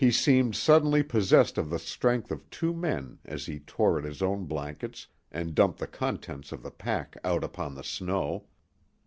He seemed suddenly possessed of the strength of two men as he tore at his own blankets and dumped the contents of the pack out upon the snow.